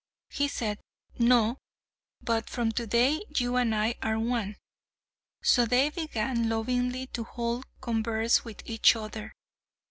He said, "No. But from to day, you and I are one." So they began lovingly to hold converse with each other.